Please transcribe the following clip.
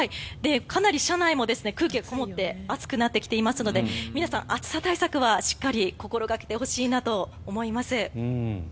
かなり車内も空気がこもって暑くなってきていますので皆さん、暑さ対策はしっかり心掛けてほしいなと思います。